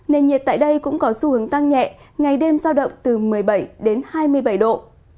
nền nhiệt tại đây cũng có xu hướng tăng nhẹ ngày đêm giao động từ một mươi bảy đến hai mươi bảy độ